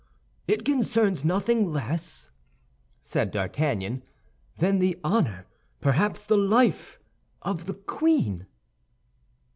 "It concerns nothing less," said D'Artagnan, "than the honor, perhaps the life of the queen."